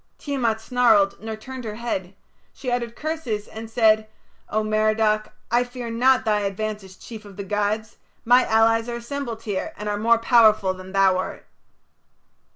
Tiamat snarled nor turned her head. She uttered curses, and said: "O Merodach, I fear not thy advance as chief of the gods. My allies are assembled here, and are more powerful than thou art."